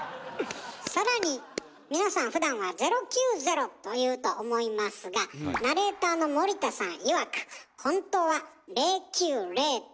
更に皆さんふだんは「０９０」と言うと思いますがナレーターの森田さんいわくえ？